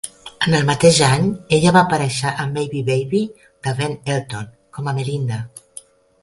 En el mateix any, ella va aparèixer a "Maybe Baby", de Ben Elton, com a Melinda.